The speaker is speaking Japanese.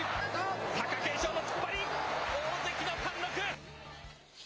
貴景勝の突っ張り、大関の貫禄！